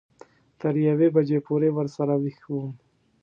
تر یوې بجې پورې ورسره وېښ وم.